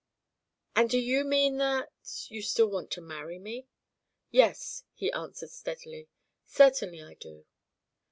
"And do you mean that you still want to marry me?" "Yes," he answered steadily. "Certainly I do."